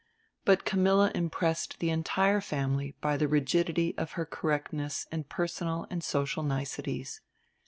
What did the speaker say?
But Camilla impressed the entire family by the rigidity of her correctness in personal and social niceties.